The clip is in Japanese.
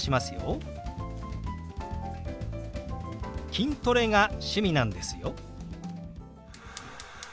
「筋トレが趣味なんですよ」。